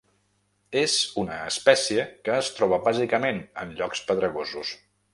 És una espècie que es troba bàsicament en llocs pedregosos.